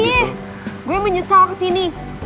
ih gue menyesal kesini